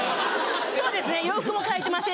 そうですね洋服も変えてませんしね。